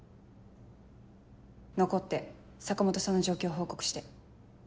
残って坂本さんの状況を報告して。